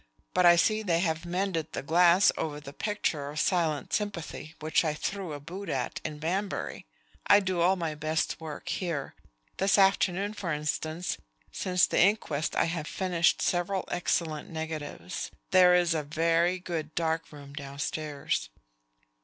But I see they have mended the glass over the picture of 'Silent Sympathy,' which I threw a boot at in Banbury. I do all my best work here. This afternoon, for instance, since the inquest, I have finished several excellent negatives. There is a very good dark room downstairs."